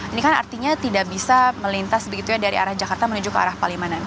ini kan artinya tidak bisa melintas begitu ya dari arah jakarta menuju ke arah palimanan